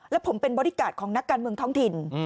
และผมเป็นบอดี้การ์ดของนักการเมืองท้องถิ่น